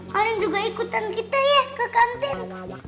kalian juga ikutan kita ya ke kantin ya